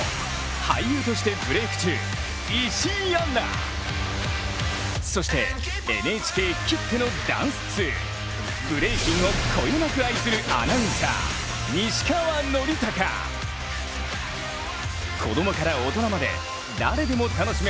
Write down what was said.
俳優としてブレーク中そしてＮＨＫきってのダンス通ブレイキンをこよなく愛するアナウンサー子どもから大人まで誰でも楽しめるブレイキン。